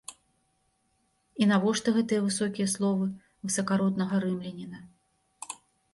І навошта гэтыя высокія словы высакароднага рымляніна?